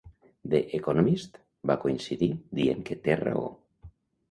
"The Economist" va coincidir, dient que "té raó".